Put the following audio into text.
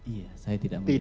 iya saya tidak melihat